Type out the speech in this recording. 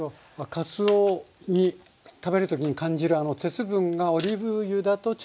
かつおに食べる時に感じるあの鉄分がオリーブ油だとちょっと強調。